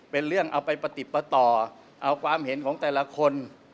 เป็นเรื่องเอาไปปฏิปต่อเอาความเห็นของแต่ละคน